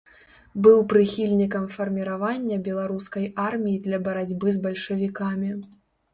Быў прыхільнікам фарміравання беларускай арміі для барацьбы з бальшавікамі.